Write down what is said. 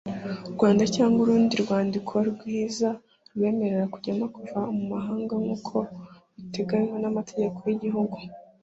Rwanda cyangwa urundi rwandiko rw inzira rubemerera kujya no kuva mu mahanga nkuko biteganywa n;amategeko yigihugu.